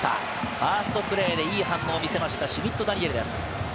ファーストプレーでいい反応を見せました、シュミット・ダニエルです。